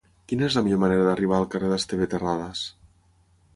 Quina és la millor manera d'arribar al carrer d'Esteve Terradas?